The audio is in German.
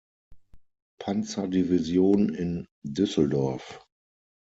Panzerdivision in Düsseldorf.